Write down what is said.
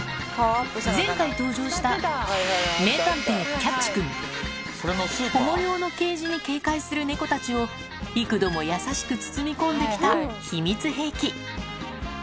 前回登場した保護用のケージに警戒する猫たちを幾度も優しく包み込んで来た秘密兵器